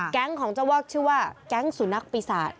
แก๊งของเจ้าวอกชื่อว่าแก๊งสุนัขปีศาสตร์